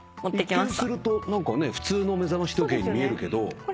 一見すると何かね普通の目覚まし時計に見えるけど違うんだ？